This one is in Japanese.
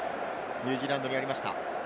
ニュージーランドにありました。